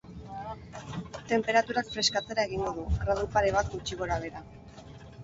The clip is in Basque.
Tenperaturak freskatzera egingo du, gradu pare bat gutxi gora-behera.